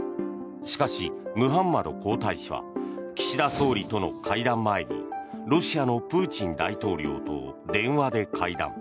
しかし、ムハンマド皇太子は岸田総理との会談前にロシアのプーチン大統領と電話で会談。